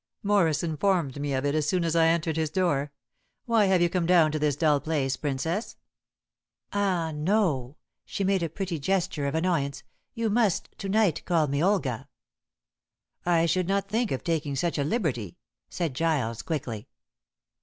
"Morris informed me of it as soon as I entered his door. Why have you come down to this dull place, Princess?" "Ah, no" she made a pretty gesture of annoyance "you must to night call me Olga " "I should not think of taking such a liberty," said Giles quickly.